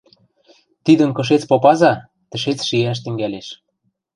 Тидӹм кышец попаза, тӹшец шиӓш тӹнгӓлеш.